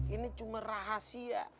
ini cuma rahasia